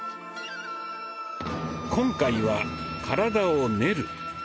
今回は「体を練る」。